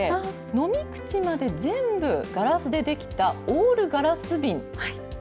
飲み口まで全部ガラスで出来たオールガラス瓶